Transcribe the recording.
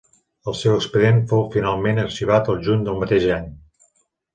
El seu expedient fou finalment arxivat el juny del mateix any.